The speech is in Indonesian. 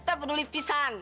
ntuh peduli pisan